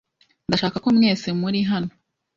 Ndashaka ko mwese muri hano.